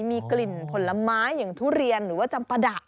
มีกลิ่นผลไม้อย่างทุเรียนหรือว่าจำปะดะ